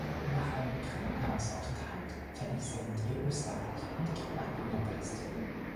Nach einem Krankenhausaufenthalt verließ er mit ihr Österreich und ging nach Budapest.